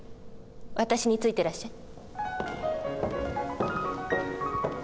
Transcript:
私についてらっしゃい。